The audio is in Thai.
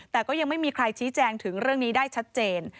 แต่ก็ยังไม่มีใครชี้แจงถึงเรื่องนี้ได้ชัดเจน